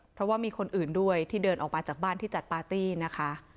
เพราะว่ามีคนอื่นด้วยที่เดินออกมาจากบ้านที่จัดปาร์ตี้นะคะ